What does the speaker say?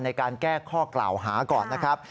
ในการแก้ข้อกล่าวหาก่อนนะครับ